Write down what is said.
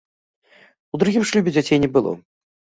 У другім шлюбе дзяцей не было.